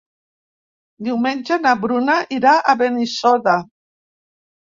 Diumenge na Bruna irà a Benissoda.